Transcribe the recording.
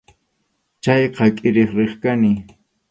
Chayqa qʼipiq riq kani.